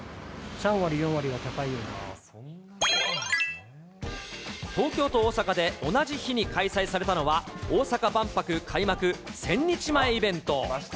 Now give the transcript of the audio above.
３割、東京と大阪で同じ日に開催されたのは、大阪万博開幕１０００日前イベント。